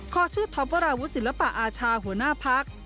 ขอชื่อท็อปวราวุศิลปะอาชาหัวหน้าพัก